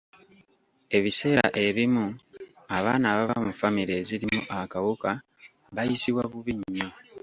Ebiseera ebimu abaana abava mu famire ezirimu akawuka bayisibwa bubi nnyo.